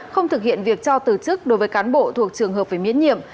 không thực hiện việc cho từ chức đối với cán bộ thuộc trường hợp phải miễn nhiệm